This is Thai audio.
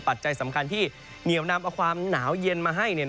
ปัจจัยสำคัญที่เหนียวนำเอาความหนาวเย็นมาให้